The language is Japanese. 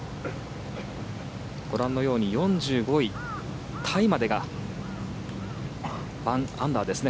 ご覧のように４５位タイまでがアンダーですね